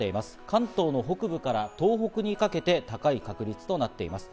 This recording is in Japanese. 関東の北部から東北にかけて高い確率となっています。